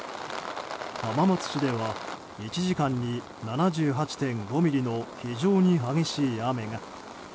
浜松市では１時間に７８．５ミリの非常に激しい雨が。